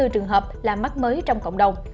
tám mươi bốn trường hợp là mắc mới trong cộng đồng